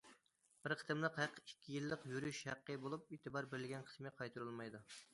بىر قېتىملىق ھەق ئىككى يىللىق يول يۈرۈش ھەققى بولۇپ، ئېتىبار بېرىلگەن قىسمى قايتۇرۇلمايدۇ.